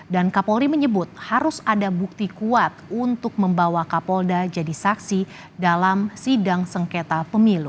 dan kapolri menyebut harus ada bukti kuat untuk membawa kapolda jadi saksi dalam sidang sengketa pemilu